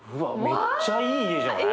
めっちゃいい家じゃない？